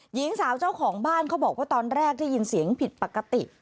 หญิงสาวเจ้าของบ้านเขาบอกว่าตอนแรกได้ยินเสียงผิดปกติ